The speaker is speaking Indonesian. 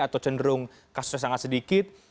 atau cenderung kasusnya sangat sedikit